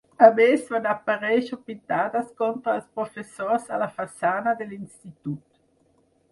A més, van aparèixer pintades contra els professors a la façana de l’institut.